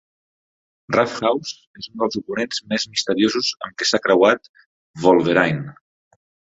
Roughouse és un dels oponents més misteriosos amb què s'ha creuat Wolverine.